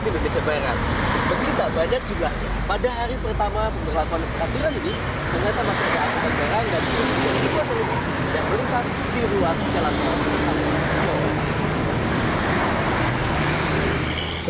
dan kita berada juga pada hari pertama pemberlakuan aturan ini dengan teman teman pergerak dan penyelidikan yang berlintas di ruas jalan tol